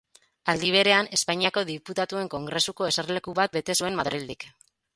Aldi berean Espainiako Diputatuen Kongresuko eserleku bat bete zuen Madrildik.